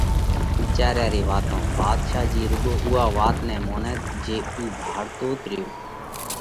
وِيچاريا ري واتون ڀاڌشا جي رُوڳو اُوئا وات نئہ مونئت جي اُو ڀاۯتوت ريو،